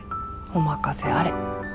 お任せあれ。